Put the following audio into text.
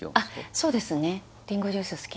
そうですね